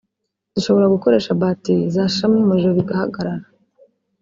dushobora gukoresha ‘batiri’ zashiramo umuriro bigahagarara